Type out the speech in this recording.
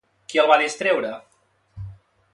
Qui el va distreure?